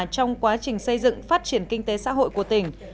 trong quá trình xây dựng phát triển kinh tế xã hội của tỉnh